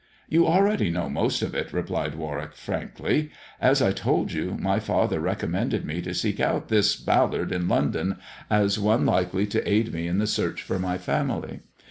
" You already know most of it," replied Warwick frankly ;" as I told you, my father recommended me to seek out this Ballard in London as one likely to aid me in the search for my family.